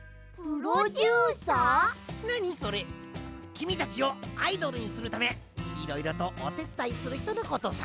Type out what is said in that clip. きみたちをアイドルにするためいろいろとおてつだいするひとのことさ。